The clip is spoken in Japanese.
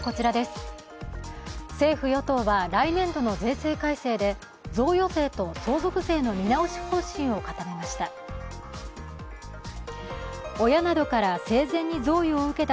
政府・与党は、来年度の税制改正で贈与税と相続税の見直し方針を固めました。